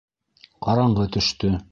Ҡараңғы төштө.